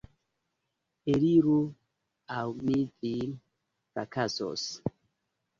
Eliru, aŭ mi vin frakasos!